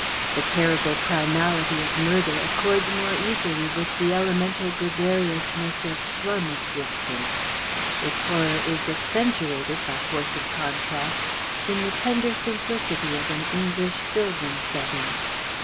The terrible primality of murder accords more easily with the elemental gregariousness of slum existence; its horror is accentuated, by force of contrast, in the tender simplicity of an English sylvan setting.